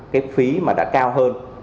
cái phí mà đã cao hơn